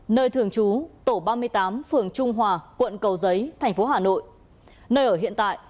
nơi thường trú tổ ba mươi tám phường trung hòa quận cầu giấy thành phố hà nội nơi ở hiện tại